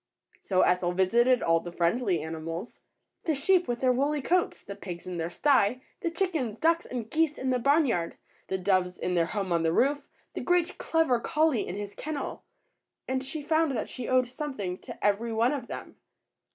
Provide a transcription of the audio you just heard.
So Ethel visited all the friendly animals, — the sheep with their woolly coats, the pigs in their sty, the chickens, ducks, and geese in the barn yard, the doves in their home on the roof, the great clever collie in his kennel; and she found that she owed something to every one of them.